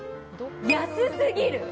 安すぎる！